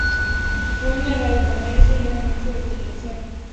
Fue una radio comercial y un anuncio de televisión.